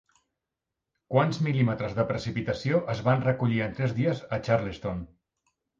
Quants mm de precipitació es van recollir en tres dies a Charleston?